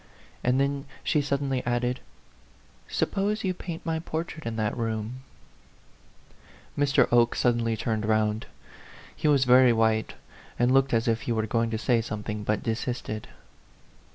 And then she suddenly added, "Suppose you paint my portrait in that room ?" Mr. Oke suddenly turned round. He was very white, and looked as if he were going to say something, but desisted.